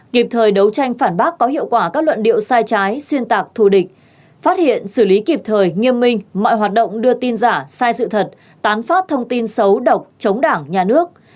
kịp thời đấu tranh phản bác có hiệu quả các luận điệu sai trái xuyên tạc thù địch phát hiện xử lý kịp thời nghiêm minh mọi hoạt động đưa tin giả sai sự thật tán phát thông tin xấu độc chống đảng nhà nước